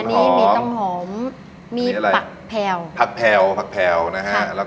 อันนี้มีต้นหอมมีปรากแพลว